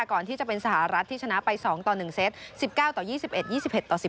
ก่อนที่จะเป็นสหรัฐที่ชนะไปสองต่อ๑เซต